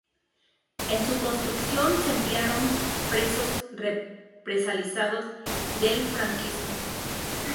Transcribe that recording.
En su construcción se emplearon presos represaliados del franquismo.